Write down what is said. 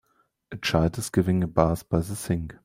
A child is given a bath by the sink